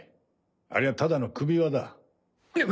ありゃただの首輪だ。